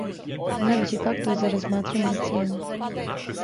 Највећи фактор за разматрање је цијена.